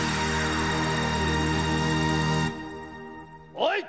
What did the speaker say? おい！